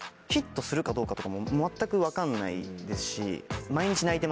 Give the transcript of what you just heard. ヒットするかどうかとかも全く分かんないですし。